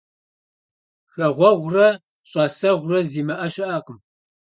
Жагъуэгъурэ щIасэгъурэ зимыIэ щыIэкъым.